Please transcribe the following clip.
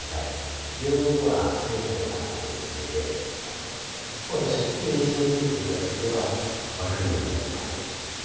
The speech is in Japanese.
病院には復生者であることを告げて私の名刺を見せていただければ分かるようになってます。